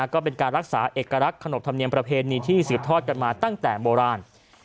ก็เป็นการรักษาเอกลักษณ์ขนบธรรมเนียมประเพณีที่สืบทอดกันมาตั้งแต่โบราณ